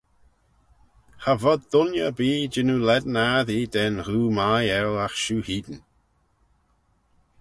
Cha vod dooinney erbee jannoo lane assee da'n ghoo mie eu agh shiu hene.